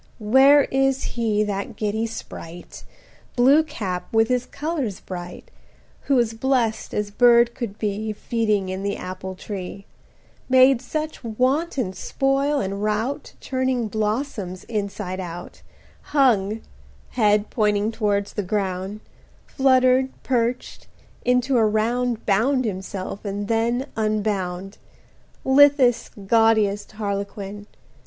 Where is he that giddy Sprite, Blue cap, with his colours bright, Who was blest as bird could be, Feeding in the apple tree; Made such wanton spoil and rout, Turning blossoms inside out; Hung–head pointing towards the ground– Fluttered, perched, into a round 70 Bound himself, and then unbound; Lithest, gaudiest Harlequin!